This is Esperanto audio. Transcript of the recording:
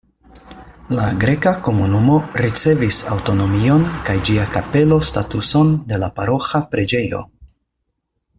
La greka komunumo ricevis aŭtonomion kaj ĝia kapelo statuson de la paroĥa preĝejo.